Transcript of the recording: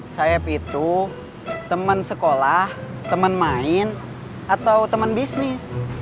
sayap itu teman sekolah teman main atau teman bisnis